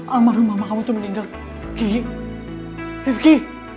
amar rumah kamu tuh meninggal kiki rifki